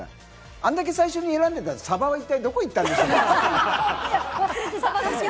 あんだけ最初に選んでたサバは一体どこに行ったんだって。